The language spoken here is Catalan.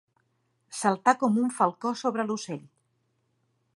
Saltar com un falcó sobre l'ocell.